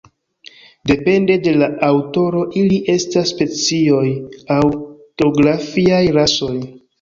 Depende de la aŭtoro ili estas specioj aŭ geografiaj rasoj.